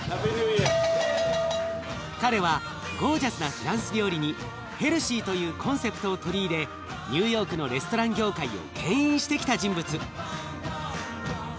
彼はゴージャスなフランス料理にヘルシーというコンセプトを取り入れニューヨークのレストラン業界をけん引してきた人物。